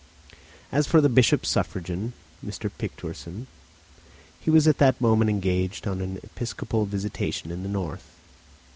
As for the bishop's suffragan, M. Picturssen, he was at that moment engaged on an episcopal visitation in the north.